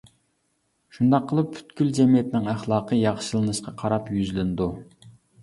شۇنداق قىلىپ پۈتكۈل جەمئىيەتنىڭ ئەخلاقى ياخشىلىنىشقا قاراپ يۈزلىنىدۇ.